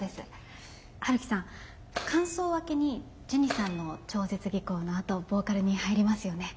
陽樹さん間奏明けにジュニさんの超絶技巧のあとボーカルに入りますよね。